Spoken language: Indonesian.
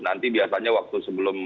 nanti biasanya waktu sebelumnya